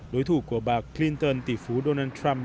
đối thủ của bà clinton tỷ phú donald trump